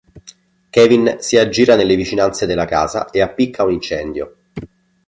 Kevin si aggira nelle vicinanze della casa e appicca un incendio.